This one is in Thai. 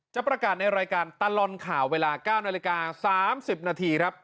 จะประกาศในรายการตลอดข่าวเวลา๙นาฬิกา๓๐นาทีครับ